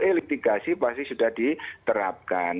e litigasi pasti sudah diterapkan